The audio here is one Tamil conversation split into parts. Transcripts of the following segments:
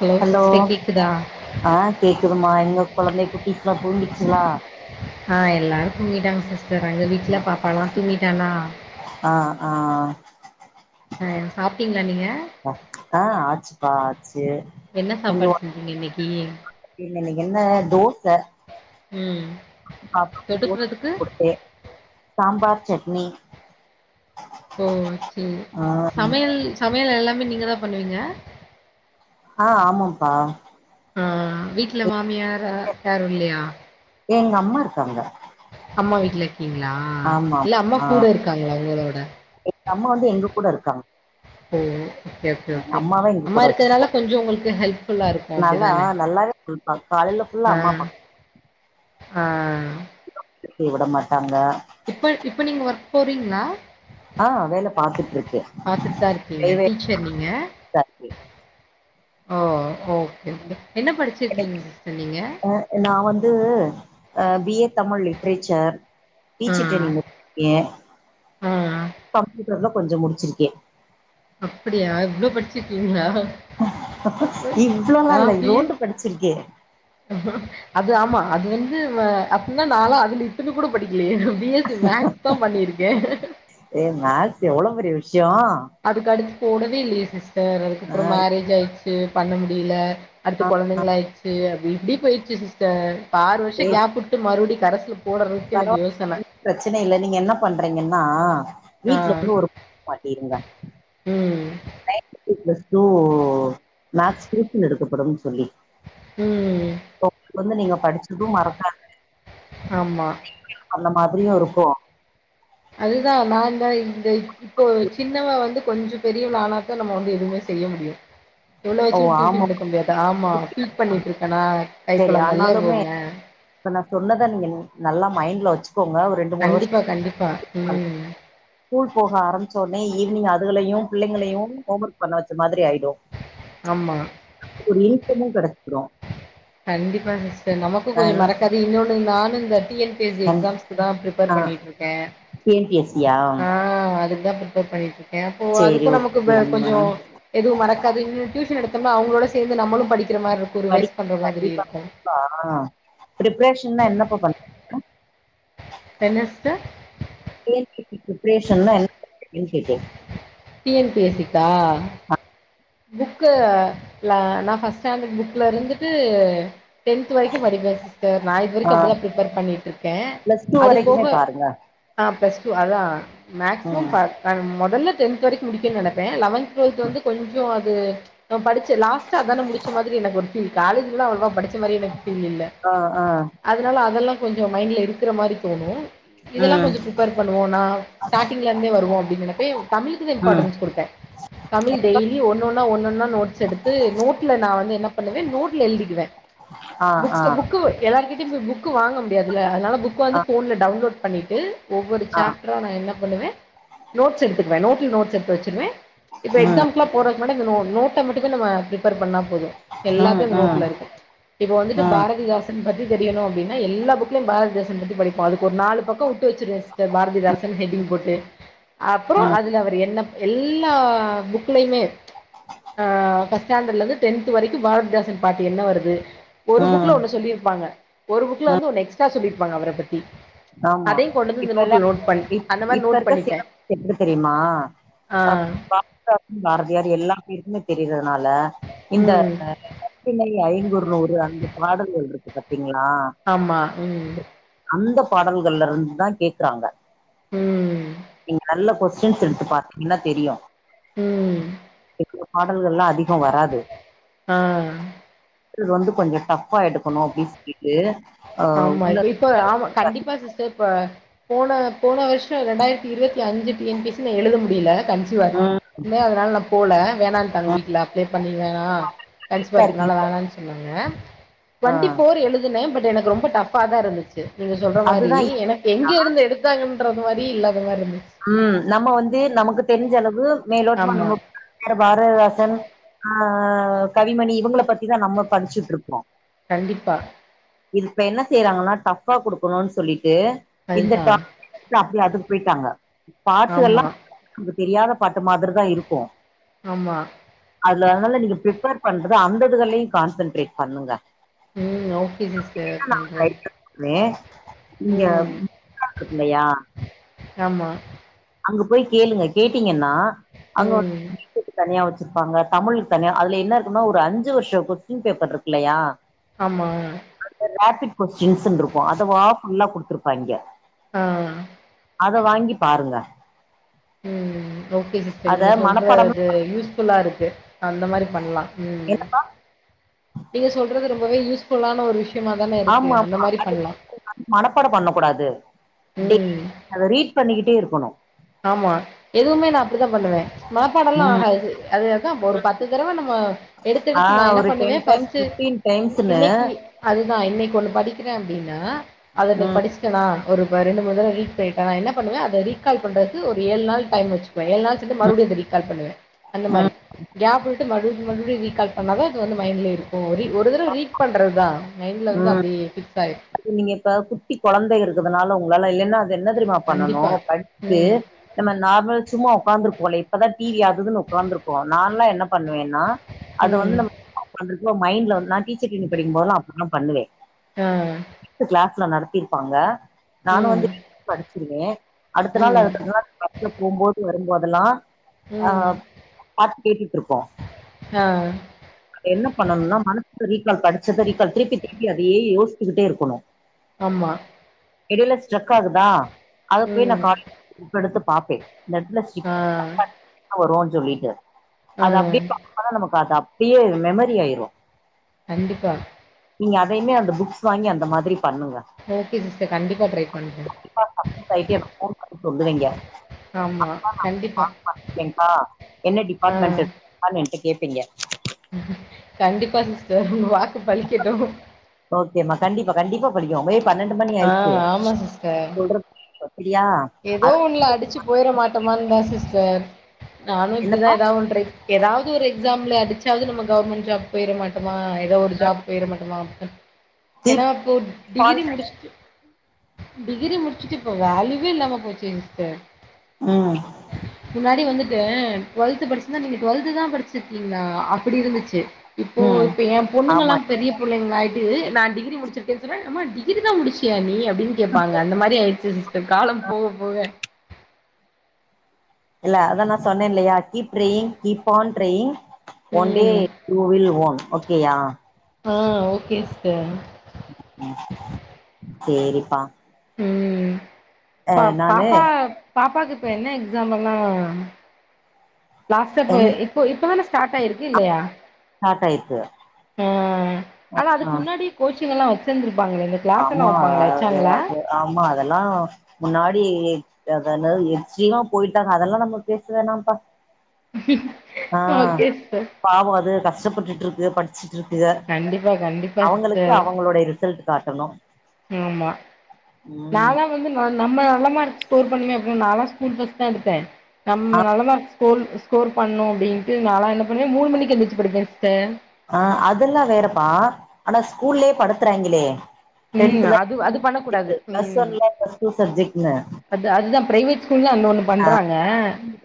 ஹலோ ஸ்ட்ட கேக்குதா ஆ கேக்குதுமா இன்னு குழந்தை குட்டிஸ்லா தூங்கிச்சிங்ளா ஆ எல்லாரு தூங்கிட்டாங் சிஸ்டர் அங்க வீட்ல பாப்பாலா தூங்கிட்டானா ஆ ஆ ஆ சாப்ட்டீங்ளா நீங்க ஆ ஆச்சுப்பா ஆச்சு என்ன சாப்பாடு கொஞ்சுவோட் செஞ்சீங்க இன்னைக்கு இல்லல்ல என்ன தோச ம் அப்டி போட்டு தொட்டுக்கிறதுக்கு குடுத்தே சாம்பார் சட்னி ஓ ச்சேரி ஆ சமையல் சமையல் எல்லாமே நீங்க தா பண்ணுவீங்க ஆ ஆமம்ப்பா அ வீட்ல மாமியாரா யாரு இல்யா எங்கம்மா இருக்காங்க அம்மா வீட்ல இருக்கீங்ளா ஆமா இல்ல அம்மா ஆ கூட இருக்காங்ளா உங்களோட எங்க அம்மா வந்து எங்க கூட இருக்காங் ஓ யாகே ஓகே அம்மாவ எங்க அம்மா கூட வச்சுப்போ இருக்கரால கொஞ்சு உங்குள்க்கு ஹெல்ப்ஃபுல்லா இருக்கு அப்டிதானே அ காலைல ஃபுல்லா அம்மா பா அ எ விடமாட்டாங்க இப்பல் இப்ப நீங்க வர்க் போறீங்ளா அ வேல பாத்துட்ருக்கே ப்ரைவே ச்சர் நீங்க ஓ ஓக் இர்க்கு என்ன எனக்கு படிச்சிர்க்கீங் சிஸ்டர் நீங்க அ நா வந்து அ பி ஏ தமிழ் லிட்ரேச்சர் ஆ, டீச்சர் ட்ரைனிங் முட் யே ஆ. கம்ப்யூட்டர்ல கொஞ்சு முடுச்சிரி அப்படியா இவ்ளோ படிச்சிர்க்கீங்ளா இவ்ளோல்லா இல்ல இவ்ளோண்டு படிச்சிருக்கே அது ஆமா அது வந்து வ அப்புன்னா நாளா அது‌லி தின்னு கூட படிக்கிலியே பி எஸ் ஸி மேக்ஸ் தா பண்ணிருக்கே ஏ மேக்ஸ் எவ்ளோ பெரிய விஷ்யோ அதுக்கடுத் போடவே இல்லியே சிஸ்டர் ஆ அதுக்கப்றோ மேரேஜ் ஆயிர்ச்சு பண்ண முடியில அடுத்து ஆ கொழந்தைங்கள் ஆயிட்ச்சு அப்டி இப்டி போய்ச்சி சிஸ்டர் காறு வர்ஷு ஏ கேப்புட்டு மறுவ்டி கரஸ்லப் போடறுக்கு எனக்கு யோசன ப்ரச்சன இல்ல நீங்க என்ன பண்றீங்கன்னா ஆ. வீட்ல [inaudible] மாட்டிருங்க ம் ட்டு பிளஸ் டூ மேக்ஸ் குரூப்புன் எடுக்கப்படும் சொல்லி ம். ஒப் வந்து நீங்க படிச்சது மறக்காது ஆம்மா அந்த மாதிரியு இருக்கு அதுதா நா தா இந்த இப்போ சின்னவ வந்து கொஞ்ச பெரியவளா ஆனாத் த்தா நம்ம வந்து எதுமே செய்ய முடியு இவ்ள ஓ வச்சிக்கிட் டியூஷன் ஆமா எடுக்க முடியாது ஆமா ஃபீட் பண்ணிட்ருக்கனா கை சரி கொழந்தெல்லா ஆனாலுமே இவ்வவே இப்ப நா சொன்னத நீங்க நல்லா மைண்ட்ல வச்சுக்கோங்க ஒரு ரெண்டு மூணு வருஷ கண்டிப்பா கண்டிப்பா ம். ஸ்கூல் போக ஆரமிசோன்னே ஈவ்னிங் அதுகளையு பிள்ளைங்களையு ஹோம் ஒர்க் பண்ண வச்ச மாதிரி ஆயிடு ஆமா ஒரு நீட்டாமு கெடக்குடு கண்டிப்பா சிஸ்டர் நமக்கு கொஞ்ச அதனால மறக்காது இன்னொன்னு நானு இந்த டி என் பி சி கண் எக்ஸாம்ஸ்க்குதா பிர்ப்பேர் ஆ பண்ணியிட்ருக்கே T N P S C யா அ அதுக் தா பிர் ப்பேர் பண்ணிட்ருக்கே அப்போ சேரி அதுக்கு நமக்கு வே ஓகே கொஞ்சோ மேம் எதுவு மறக்காது இன்னு டியூஷன் எடுத்தம்மா அவுங்ளோட சேந்து நம்மளு படிக்கிற மார்ருக்கு ஒரு படி வயஸ் கண்டிப்பா கண்டிப்பா அ பிரிப்ரேஷன்னா என்னப்பா பண்ணறது தென்ன sister T N P C பிரிப்ரேஷன்னா என்ன பண்றதுன் கேட்டே டி என் பி எஸ்சிக்கா புக்கு லா நா ஃபஸ்ட் ஸ்டேண்டட் புக்ல இருந்துட்டு டென்த் வரைக்கு படிப்பே சிஸ்டர் நா இது ஆ வரைக்கு அப்டிதா ப்ரிப்பேர் பண்ணிட்ருக்கே பிளஸ் டூ வரைக்குமே பாருங்க ஆ பிளஸ் டூ அதா மேக்சிமம் ம் பா அன் மொதல்ல டென்த் வரைக்கு முடிக்கன் நெனப்பே லெவன்த் டூவல்த் வந்து கொஞ்சோ அது நம் படிச்ச லாஸ்டா அதான முடிச்ச மாதிரி எனக்கு ஒரு ஃபீல் காலேஜ்ல்லா அவ்ளவா படிச் ச்ச மாரி எனக்கு ஃபீல் இல்ல ஆ ஆ அதனால அதெல்லா கொஞ்சோ மைண்ட்ல இருக்கிற மாரி தோணு இதெல்லா ம் கொஞ்சோ பிரிப்பேர் பண்ணுவோண்ணா ஸ்ட்டாடிங்லந்தே வருவோ அப்பிடின் நெனப்பே தமிழுக்குதே ம் இம்பாட்டன்ஸ் குடுப்பே தமிழ் என்னப்பா டெய்லி ஒன்னொன்னா ஒன்னொன்னா நோட் ஸ் எடுத்து நோட்ல நா வந்து என்ன பண்ணுவே நோட்ல எழுதிக்குவே ஆ ஆ புக் புக்கு எல்லார்கிட்டையு போய் புக்கு வாங்க முடியாதில்ல அதனால புக் ஆ வந்து ஃபோன்ல டவுன்லோட் பண்ணிட்டு ஒவ்வொரு ஆ சாப் ட்ரா நா என்ன பண்ணுவே நோட்ஸ் எடுத்துக்குவே நோட்ல நோட்ஸ் எடுத்து வச்சிருவே இப்ப ம் எக்ஸாம் க்ல போறக் முன்னாடி இந்த நோ நோட்ட மட்டுக்குமே நம்ம பிரிப்பேர் பண்ணா போது ம் எல்லாத்து அந்த ம் நோட்ல இருக்கு இப்ப வந்துட்டு ம் பாரதிதாச த்தன் பத்தி தெரியனு அப்டின்னா எல்லா புக்லையு பாரதிதாசன் பத்தி படிப்போ அதுக்கு ஒரு நாலு பக்ககோ உட்டு வச்சிரு த்து பாரதிதாசன் ஹெட்டிங் போட்டு அப்புறோ ம் அதுல அவர் என்ன எல்லா புக் க்லையுமே ஆ ஃபஸ்டாண்டலுந்து டென்த் வரைக்கு பாரதிதாசன் பாட்டு என்ன வருது ஒரு புக்ல ம் ஒன்னு சொல்லியிருப்பாங்க ஒரு புக்ல வந்து ஒன்னு எக்ஸ்ட்ரா சொல்லியிருப்பாங்க அவர பத்தி ஆமா அதையு கொண்டுந்து இந்த இப்பல்லா நோட்ல நோட் பண் இப் அந்த மாரி இப்ப நோட் இருக்க பண்ணிப்பே சிலபஸ் எப்டி ஆ ட்டாப்பு பாரதியார் எல்லா பேருக்குமே தெரிறதுனால இந்த ம் அ சின்மை ஐங்குறு நூறு அந்த பாடல் எழுதுறக்கு பாத்தீங்களா ஆமா ம் அந்த பாடல்கல்லருந்தா கேக்குறாங்க ம் நீங்க நல்ல கோஸ் ஸ்ரென்ஸ் எடுத்து பாத்தீங்கன்னா தெரியு ம் பாடல்கல்லா அதி ஆ இது வந்து கொஞ்சோ டஃபா எடுக்கணு அப்டின் சொல்லிட்டு அ உள்ள ப்ப ஆமா கண்டிப்பா சிஸ்டர் இப்ப போன போன வர்ஷோ ரெண்டாயர்த்தி இருவத்தி அஞ்சு T N P S C நா எழுத முடியல கன்சிவா ம் இருந்தே அதுனால நா போல வேணான்ட்டாங்க ம் வீட்ல அப்ளே பண்ணி வேணா கன்சிவா இருக்கனால இருக்கீங்க வேணான் சொன்னாங்க ஆ டுவெண்டி ஃபோர் எழுதுனே பட் எனக்கு ரொம்ப டஃப்பா தா இருந்துச் சு நீங்க சொல்ற மாரி அதுதா எனக்கு எங்க இருந்து எடுத்தாங்கன்றது மாரி இல்லாத மார்ருந்துச் ம் நம்ம வந்து நமக்கு தெரிஞ்சளவு மேலோட்டமா ஆமா நம்ம [unintelligible] பாரதிதாசன் ஆ கவிமணி இவங்கள பத்திதா நம்ம படுச்சுட் இருக்கோ கண்டிப்பா இப்ப என்ன செய்றாங்கன்னா டஃபா குடுக்கணுன் சொல்லிட்டு இந்த டா அதுதான் இல்ல அப்டி அதுக்கு பொயிட்டாங்க ஆமா பாட்டுகல்லா தெரியாத பாட்டு மாதிரி த இருக்கு ஆமா அதுல அதனால நீங்க பிரிப்பேர் பண்றது அந்ததுகளையு கான்சன்ட்ரேட் பண்ணுங்க ம் ஓகே சிஸ்டர் பண்றேன் [inaudible] இங்கெ ம் பக்கத்துலையா ஆமா அங்க போய் கேளுங்க கேட்டீங்கன்னா அங்க ம் [inaudible] தனியா வச் சிருப்பாங்க தமிழ்க் தனியா அதுல என்ன இருக்குனா ஒரு அஞ்சு வர்ஷோ கொஸ்டின் பேப்பர் இருக்கு இல்லையா ஆமா அந்த ரே பிட் கொஸ்டின்ஸின் இருக்கு அதவா ஃபுல்லா குடுத்துருப்பாங்கெ அ அத வாங்கி பாருங்க ம் ஓகே சிஸ்டர் அத நீங்க மனப்பாடம் சொல்றது யூஸ் ஃபுல்லா இருக்கு அந்த மாரி பண்லா ம் நீங்க சொல்றது ரொம்பவே யூஸ்ஃபுல்லான ஒரு விஷ் ஆமா ஆமா அது [inaudible] மனப்பாட பண்ண கூடாது டெய்லி ம் அத ரீட் பண்ணிக்கிட்டே இருக்கணும் ஆமா எதுமே நா அப்டித்தா பண்ணுவே மனப்பாடெல்லா ம் ஆகாது அது ஒரு பத்து தடவ நம்ம எடுத்து ஆ எடுத்து நா என்ன ஒரு டென் பண்ணுவேன் டைம்ஸ் ஃபஸ்ட் பிப்டீன் டைம்ஸ்ன்னு இன்னக்கி அதுதா இன்னைக்கு ஒண்ணு படிக்கிறே அப்டின்னா அத நா ம் படிச் நா ஒரு ரெண்டு மூணு தடவ ரீட் பண்ணிட்டா நா என்ன பண்ணுவே அத ரீ கால் பண்றது து ஒரு ஏழு நாள் டைம் வச்சுக்குவே ஏழு நாள் சென்டு மறுவடியு அத ரீ கால் பண்ணுவே அந்த மாரி ம் கேப் விட்டு மறுவடி மறுவடி ரீகால் பண்ணா தா அது வந்து மைண்ட்ல இருக்கு ரீ ஒரு தடவ ரீட் பண்ட்றதா மைண்ட்ல வந்து ம் அப்டியே ஃபிக்ஸ் ஆயி அது நீங்க இப்ப குட்டி கொழந்த இருக்கதுனால உங்களால இல்லென்னா ப என்ன தெரியுமா பண்ணனு கண்டிப்பா படிச்சுட்டு ம் நம்ம நார்மல் சும்மா ஒக்காந்துருப்போல இப்பதா டி வி அது இதுன்னு உக்காந்துருக்கோ நான்லா என்ன பண்ணுவே நா அத வந்து ம் நம் [unintelligible] மைண்ட்ல வந்து நா டீச்சர் ட்ரெய்னிங் படிக்கும் போது அப்டிதா பண்ணுவே அ இப்ப கிளாஸ்ல நடத்திருப்பாங்க நானு வந்து ம் படுச்சிருவே அடுத்த நாள் ம் [inaudible] பஸ்ல போம்போது வரும்போதெல்லா அ ம். பாட்டு கேட்டுட் இருக்கோ அ இப்ப என்ன பண்ணனும்னா மனசுல ரீக்கால் படிச்சத ரீக்கால் திருப்பி திருப்பி அதையே யோஸ்த்துக்கிட்டே இருக் குனு ஆமா எடைல ஸ்ட்ரக் ஆகுதா அத போய் நா ம். கால்ல புக் எடுத்து பாப்பே இந்த எட்த்ல ஆ. [inaudible] வருனு சொல்லிட்டு ஆ. அது அப்டியே [inaudible] நமக் பாத்து அப்டியே மெமரி ஆயிரு கண்டிப்பா நீங்க அதையுமே அந்த புக்ஸ் வாங்கி அந்த மாதிரி பண்ணுங்க ஓகே சிஸ்டர் கண்டிப்பா ட்ரை பண்றே [inaudible] சொல்லுவீங்க ஆமா. அக்கா கண்டிப்பா. ஹெல்ப்பு என்னா என்ன ஆ. டிபார்ட்மெண்ட்க்கான்னு என்ட்ட கேட்பீங்க கண்டிப்பா சிஸ்டர் உங்க வாக்கு பலிக்கட்டும் ஓகேம்மா கண்டிப்பா கண்டிப்பா படிக்கும் மதிய பன்னெண்டு மணி ஆ ஆயிடுச்சு ஆமா சிஸ்டர். சொல்ற அப்டியா ஏதோ ஒண்ல அடிச்சு போயிர மாட்டோமான்தா சிஸ்டர் நானும் இப்டிதா என்னப்பா ஏதாவ ஒண்னு ட்ரை ஏதாவது ஒரு எக்ஸாம்ல அடிச்சாவது நம்ம கவர்மெண்ட் ஜாப் போயிரமாட்டமா ஏதோ ஒரு ஜாப் போயிரமாட்டமா அப்டின்னு ஏன்னா கீப் அப்போ ஆன் டிகிரி முடிச்சுட்டு டிகிரி முடிச்சுட்டு இப்ப வேல்யூவே இல்லாம போச்சே சிஸ்டர் ம் முன்னாடி வந்துட்டு டுவெல்த் படிச்சுந்தா நீங்க டுவெல்த் தா படிச்சு ருக்கீங்களா அப்டி இருந்துச்சு இப்போ ம் இப்ப ஏ பொண்ணுங்கலா ஆமா பெரிய புள்ளைங்கள ஆயிட்டு நா டிகிரி முடிச்சிருக்கேன் சொன்னா அம்மா டிகிரி தா முடிச்சியா நீ அப்டின்னு கேப்பாங்க அந்த மாரி ஆயிருச்சு சிஸ்டர் காலம் போக போக இல்ல அதா நா சொன்னேன்லையா keep trying keep on trying one day ம் யு வில் ஓன் ஓகேயா ஆ ஓகே சிஸ்டர் ம் சேரிப்பா ம் பா நானு பாப்பா பாப்பாக்கு இப்ப என்ன எக்ஸாம்ங்க லாஸ்டா இப்ப என் இப்ப இப்பதான ஸ்டார்ட் ஆயிருக்கு இல்லையா இப்ப ஆமா கோச்சிங்கெல்லா வச்சுருந்தப்பாங்களே இந்த க்ளாஸ்ல்லா வப்பாங்களே அது- வச்சாங்களா அது- ஆமா அதெல்லா முன்னாடி அதனது எச்சமா போயிட்டாங்க அதெல்லா நம்ம பேச வேணாம்ப்பா ஓகே சிஸ்டர் பாவ அதுங்க கஷ்டப்பட்டுட்டு இருக்குக படிச்சுட்டு இருக்குக கண்டிப்பா கண்டிப்பா அவுங்களுக்கு சிஸ்டர் அவுங்களுடைய ரிசல்ட் காட்டணு ஆமா ம் நாளா வந்து ந நம்ம நல்ல மார்க் ஸ்கோர் பண்ணுவே அப்டின் நாளா ஸ்கூல் பஸ் தா எடுத்தே ஆ நம்ம நல்லதா ஸ்கோர் ஸ்கோர் பண்ணணும் அப்டின்ட்டு நால்லா என்ன பண்ணுவே மூண் மணிக்கு எந்திரச்சு படிப்பே இது சிஸ்டர் ஆ அதுல்லா வேறப்பா ஆனா ஸ்கூல்லயே படுத்துறாங்களே ம் டென்த்ல்ல அது அது பண்ணக்கூடாது பிளஸ் ம் ஒன்ல்ல பிளஸ் டூ சப்ஜெக்ட்ல்ல அது அதுதா பிரைவேட் ஸ்கூல் தா அந்த ஒண்ணு பண்றாங்க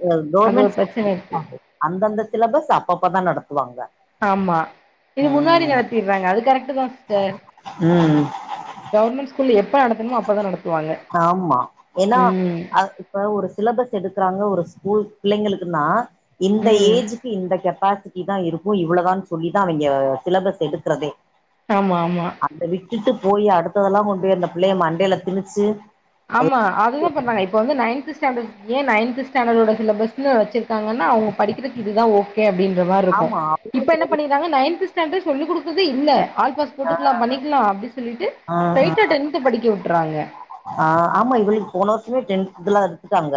ஆ அது ஒரு கவர்மெண்ட் ஸ் பிரச்சன இருக்கு அந்தந்த சிலபஸ் அப்பப்பதா நடத்துவாங்க ஆமா இது முன்னாடி ம் நடத்திறாங்க அது கரெக்ட் தா சிஸ்டர் ம் கவர்மெண்ட் ஸ்கூல் எப்ப நடத்தணுமோ அப்பதா நடத்துவாங்க ஆமா ஏன்னா ம் அ இப்ப ஒரு சிலபஸ் எடுக்கறாங்க ஒரு ஸ்கூல் பிள்ளைங்களுக்குன்னா இந்த ம் ஏஜ்க்கு இந்த கெப்பாசிட் ட்டி தா இருக்கும் இவ்வள தான்னு சொல்லிதா அவங்க சிலபஸ் எடுக்கறதே ஆமா ஆமா அந்த விட்டுட்டு போய் அடுத்ததெல்லா கொண்டு போய் அந்த பிள்ளைய மண்டையில திணிச்சு ஆமா அதுதா பண்றாங்க இப்ப வந்து நைன்த் ஸ்டாண்டர்ட் ஏ நைன்த் ஸ்டாண்டர்டோட சிலபஸ்னு வச்சு ங்காங்கன்னா அவங்க படிக்கிறதுக்கு இதுதா ஓகே அப்டின்ற மாரி இருக்கும் ஆமா இப்ப என்ன பண்ணி க்காங்க நைன் ஸ்டாண்டர்ட் சொல்லி குடுத்தறது இல்ல ஆல்பாஸ் போட்டுக்கலா பண்ணிக்கலா அப்டின் சொல்லிட்டு ம் ம் ஸ்ய்ட்டா டென்த் படிக்க விட்டுறாங்க ஆ ஆமா இவளுக்கு போன வருஷமே டென்த் இதெல்லா எடுத்துட்டாங்க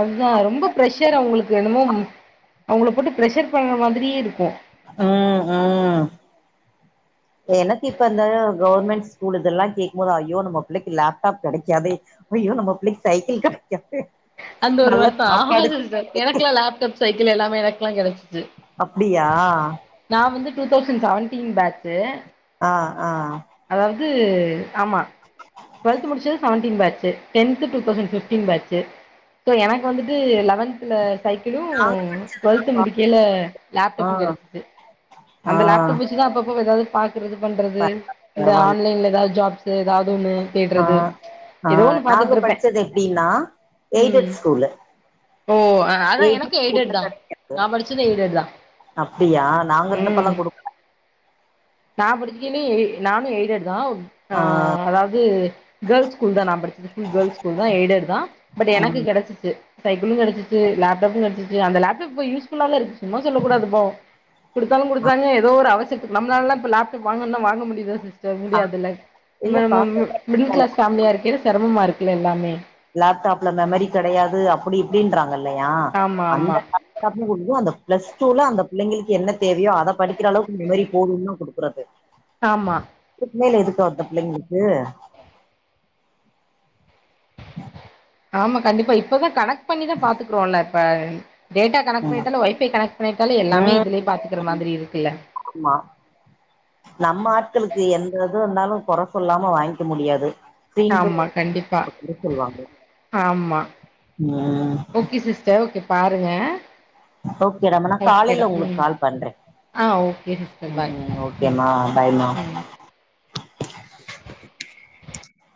அதுதா ரொம்ப ப்ரெஷர் அவுங்களுக்கு என்னமோ அவுங்கள போட்டு ப்ரெஷர் பண்ற மாதிரியே இருக்கு உம் உம் [inaudible] எனக்கு இப்ப இந்த கவர்மெண்ட் ஸ்கூல் இதெல்லா கேக்கும் போது ஐயோ நம்ம பிள்ளைக்கு லேப்டாப் கெடைக்காதே அய்யோ நம்ம பிள்ளைக்கு சைக்கிள் கெடைக்காதே அந்த ஒரு வருஷ ஆக எனக்கெல்லா லேப்டாப் சைக்கிள் எல்லாமே எனக்கெல்லா கெடச்சுச்சு அப்புடியா நா வந்து டூ தௌசண்ட் செவன்டீன் பேச்சு ஆ ஆ அதாவது ஆமா டுவெல்த் முடிச்சது seven batch tenth two thousand fifteen batch எனக்கு வந்துட்டு லவன்த்ல சைக்கிளு நாங்க டுவெல்த் முடிக்கேல ஆ லேப்டாப்பு கெடச்சது ஆ அந்த லேப்டாப் அப்பப்ப ஏதாவது பாக்குறது பண்றது பரவால்ல இந்த பரவால்ல ஆன்லைன்ல ஏதாவது ஜாப்ஸு ஏதாவது ஒன்னு ஆ தேடுறது ஆ ஏதோ ஒன்று நாங்க பார்த்துட்ருப்பேன் படிச்சது எப்டின்னா ம் எய்டட் ஸ்கூல்லு ஓ அதா எனக்கு எய்டடு தா கெடைக்காது நா படுச்சது எய்டடு தா அப்டியா நாங்க இருந்தப்பள குடுக்கல நா படிச்சக்கல்லே எ நானு எய்டடுதா தா ஆ அதாவது கேர்ள்ஸ் ஸ்கூல் தா நா படிச்சது கேர்ள்ஸ் ஸ்கூல் தா எய்டடு தா பட் எனக்கு ம் கெடச்சுச்சு சைக்கிளு கெடச்சுச்சு லேப்டாப்பு கெடச்சுச்சு அந்த லேப்டாப்ப இப்ப யூஸ்ஃபுல்ல இருக்கு சும்மா சொல்ல கூடாதுப்பா குடுத்தாலு குடுத்தாங்க ஏதோ ஒரு அவசரத்துக்கு நம்மளால்ல இப்ப லேப்டப்பு வாங்கன்னா வாங்க முடியு சிஸ்டர் ஆ முடியாதுல்ல இல்லப்பா மிடில் கிளாஸ் ஃபேமிலியா இருக்க சிரமமா இருக்குல எல்லாமே லேப்டாப்ல மெமரி கெடையாது அப்டி இப்டின்றாங்க இல்லையா ஆமா ஆமா அந்த டியது அந்த பிளஸ் டூல அந்த [unintelligible] அந்த பிளஸ் டூ ல அந்த பிள்ளைங்களுக்கு என்ன தேவையோ அத படிக்கிற அளவுக்கு மெம்மரி போதுன் தா ப குடுக்குறது ஆமா இதுக்குமேல எதுக்கு அந்த பிள்ளைங்களுக்கு [inaudible] ஆமா கண்டிப்பா இப்பதா கணக் பண்ணிதா பாத்துக்றோல்ல இப்ப டேட்டா கனெக்ட் பண்ணிட்டாலோ ஒய்ஃபை கனெக்ட் பண்ணிட்டாலோ எல்லாமே ம் இதுலே பாத்துக்குற மாதிரி இருக்குல்ல ஆமா நம்ம ஆட்களுக்கு எந்த இது இருந்தாலு கொற சொல்லாம வாங்க்க முடியாது ஃப்ரீனு ஆமா கண்டிப்பா போய் ஆமா உம் ஓகே சி்ஸ்டர் ஓகே பாருங்க ஓகே டா மா நா ஓகேடா காலேயில ஒங்களுக்கு ம் கால் பண்றே ஆ ஓகே சிஸ்டர் உம் பாய் உம் ம் ஓகேமா பாய்மா ம்